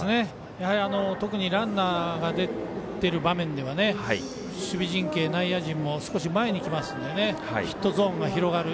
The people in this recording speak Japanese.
特にランナーが出てる場面では守備陣形、内野陣も少し前に来ますのでヒットゾーンが広がる。